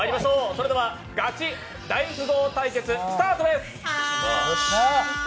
ガチ大富豪対決スタートです。